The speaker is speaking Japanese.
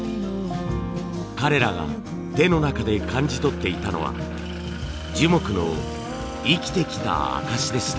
彼らが手の中で感じ取っていたのは樹木の生きてきた証しでした。